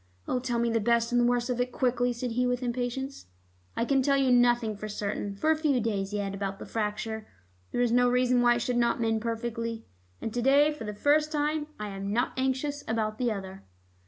"Oh, tell me the best and the worst of it quickly," said Hugh with impatience. "I can tell you nothing for certain for a few days yet about the fracture. There is no reason why it should not mend perfectly. And to day for the first time I am not anxious about the other."